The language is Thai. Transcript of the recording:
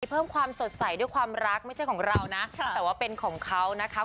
เพิ่มความสดใสด้วยความรักไม่ใช่ของเรานะแต่ว่าเป็นของเขานะคะ